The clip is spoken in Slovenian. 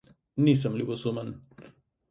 Nisem ljubosumen.